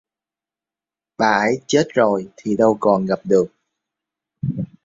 bà ấy chết rồi thì đâu còn gặp được